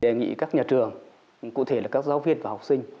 đề nghị các nhà trường cụ thể là các giáo viên và học sinh